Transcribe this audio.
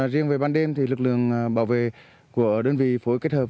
riêng về ban đêm thì lực lượng bảo vệ của đơn vị phối kết hợp